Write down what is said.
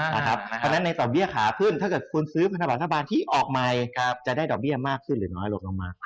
เพราะฉะนั้นในต่อเบี้ยขาขึ้นถ้าเกิดคุณซื้อพันธบัตรรัฐบาลที่ออกใหม่จะได้ดอกเบี้ยมากขึ้นหรือน้อยหลบลงมา